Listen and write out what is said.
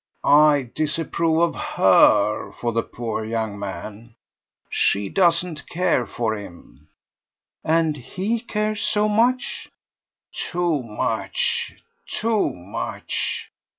"I disapprove of HER for the poor young man. She doesn't care for him." "And HE cares so much ?" "Too much, too much.